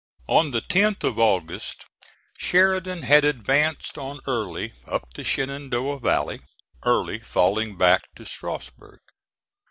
On the 10th of August Sheridan had advanced on Early up the Shenandoah Valley, Early falling back to Strasburg.